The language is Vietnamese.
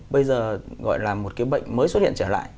bây giờ gọi là một cái bệnh mới xuất hiện trở lại